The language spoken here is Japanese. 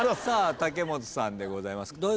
さあ武元さんでございます。